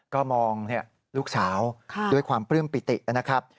ก็มองลูกสาวด้วยความปลื้มปิตินะครับ